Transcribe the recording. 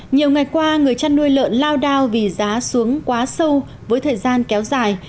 nhiều ngày qua người chăn nuôi lợn lao đao vì giá xuống quá sâu với thời gian kéo dài